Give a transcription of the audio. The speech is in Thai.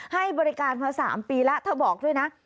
ให้บริการมา๓ปีแล้วเธอบอกด้วยนะ